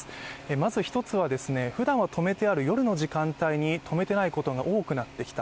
まず１つは、ふだんは止めてある夜の時間帯に止めていないことが多くなってきた。